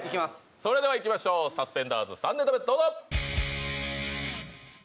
それではいきましょうサスペンダーズ３ネタ目どうぞ！